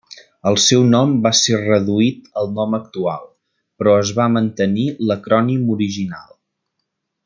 El seu nom va ser reduït al nom actual, però es va mantenir l'acrònim original.